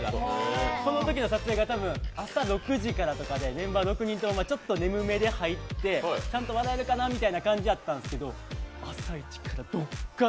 そのときの撮影が多分、朝６時ぐらいからでメンバー６人とも、ちょっと眠めで入ってちゃんと笑えるかなみたいな感じやったんですけど、朝イチからドッカン